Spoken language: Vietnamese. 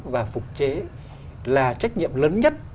và phục chế là trách nhiệm lớn nhất